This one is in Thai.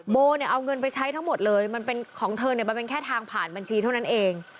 โบเอาเงินไปใช้ทั้งหมดเลยของเธอมันเป็นแค่ทางผ่านบัญชีเท่านั้นเอง